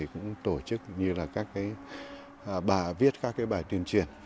cũng tổ chức như là các bà viết các bài tuyên truyền